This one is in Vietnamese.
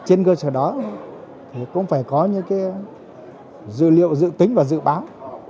trên cơ sở đó thì cũng phải có những dữ liệu dự tính và dự báo